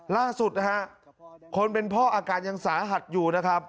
ล่าสุดนะฮะคนเป็นพ่ออาการยังสาหัสอยู่นะครับ